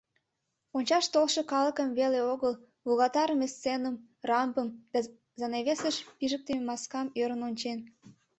Ончаш толшо калыкым веле огыл, волгалтарыме сценым, рампым да занавесыш пижыктыме маскым ӧрын ончен.